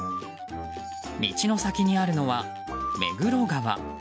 道の先にあるのは目黒川。